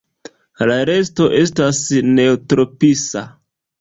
La resto estas neotropisa.